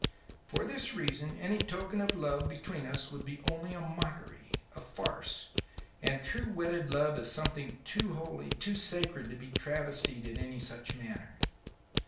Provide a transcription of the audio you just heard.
For this reason any token of love between us would be only a mockery, a farce, and true wedded love is something too holy, too sacred, to be travestied in any such manner.